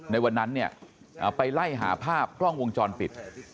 ในวันนั้นเนี่ยไปไล่หาภาพกล้องวงจรปิด